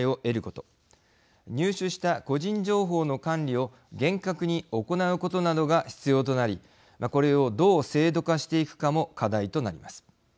入手した個人情報の管理を厳格に行うことなどが必要となりこれをどう制度化していくかも課題となります。